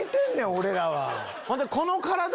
俺らは。